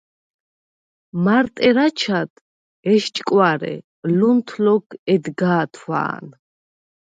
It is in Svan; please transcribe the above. მარტ ერ აჩად, ესჭკვარე, ლუნთ ლოქ ედგა̄თვა̄ნ.